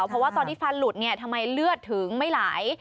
เพราะว่าตอนที่ฟันหลุดเนี่ยทำไมเลือดถึงไม่ไหล